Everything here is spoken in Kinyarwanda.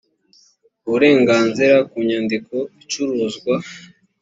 uburenganzira ku nyandiko icuruzwa